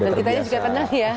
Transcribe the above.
dan kita juga tenang ya